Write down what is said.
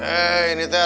tunggu di depan